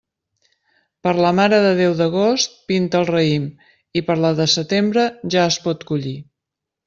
Per la Mare de Déu d'agost pinta el raïm i per la de setembre ja es pot collir.